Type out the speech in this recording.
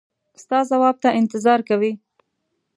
ستا ځواب ته انتظار کوي.